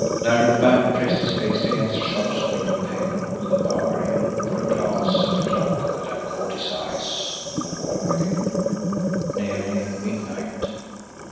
Larry the Bat pressed his face against a shop's windowpane on the Bowery for a glance at a clock that had caught his eye on the wall within. Nearly midnight!